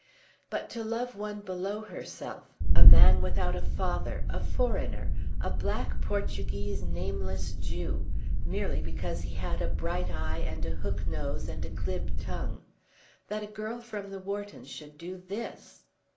But to love one below herself, a man without a father, a foreigner, a black Portuguese nameless Jew, merely because he had a bright eye, and a hook nose, and a glib tongue, that a girl from the Whartons should do this